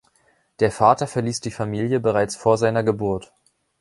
Der Vater verließ die Familie bereits vor seiner Geburt.